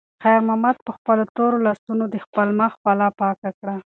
خیر محمد په خپلو تورو لاسونو د خپل مخ خوله پاکه کړه.